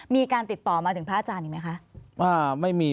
มีการติดต่อมาถึงพระอาจารย์อีกไหมคะ